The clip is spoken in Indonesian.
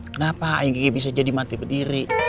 kenapa ayang kiki bisa jadi mati berdiri